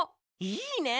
いいね！